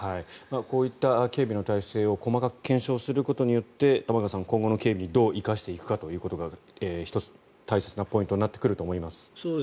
こういった警備の態勢を細かく検証することによって玉川さん、今後の警備にどう生かしていくかというのが１つ、大切なポイントになってくると思います。